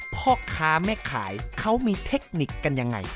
เพราะขาไม่ขายเขามีเทคนิคกันอย่างไร